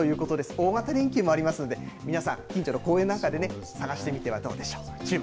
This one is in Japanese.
大型連休もありますので、皆さん、近所の公園なんかでね、探してみてはどうでしょうか。